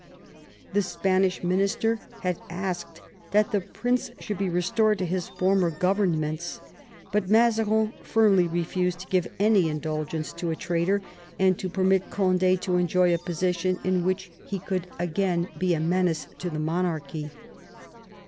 The Spanish minister had asked that the prince should be restored to his former governments, but Mazarin firmly refused to give any indulgence to a L 146 MAZARIN ohap. traitor, or to permit Cond^ to enjoy a position in which he could again be a menace to the monarchy.